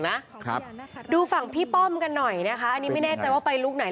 นะครับดูฝั่งพี่ป้อมกันหน่อยนะคะอันนี้ไม่แน่ใจว่าไปลุคไหน